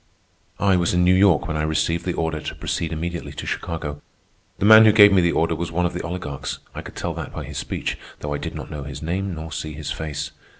I was in New York when I received the order to proceed immediately to Chicago. The man who gave me the order was one of the oligarchs, I could tell that by his speech, though I did not know his name nor see his face.